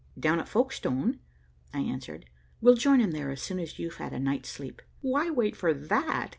"Down at Folkestone," I answered. "We'll join him there as soon as you've had a night's sleep." "Why wait for that?"